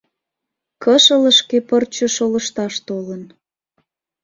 Кышылышке пырче шолышташ толын.